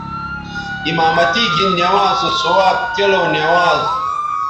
امامتی گھن نوانز سو ثواب کیلوں نوانز